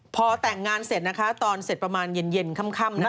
พอแต่งงานเสร็จนะคะตอนเสร็จประมาณเย็นค่ำ